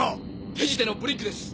ペジテのブリッグです。